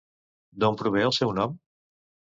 D'on prové el seu nom?